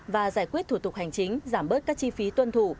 và giải quyết thủ tục hành chính giảm bớt các chi phí tuân thủ